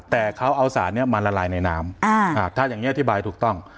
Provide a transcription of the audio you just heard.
แต่เขาเอาสารนี้มาละลายในน้ำถ้าอย่างนี้อธิบายถูกต้อง